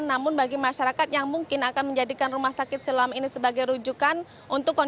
namun bagi masyarakat yang mungkin akan menjadikan rumah sakit siloam ini sebagai rujukan